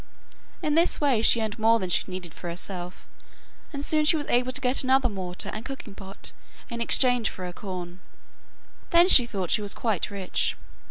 In this way she earned more than she needed for herself, and soon was able to get another mortar and cooking pot in exchange for her corn. Then she thought she was quite rich.